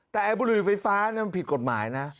แต่ไอ้บุหรี่ไฟฟ้ามันผิดกฎหมายนะ